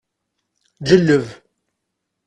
Ǧelleb!